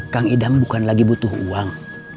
kang idam bukan lagi butuh uang